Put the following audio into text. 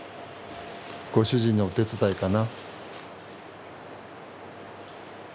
ご主人のお手伝いかな？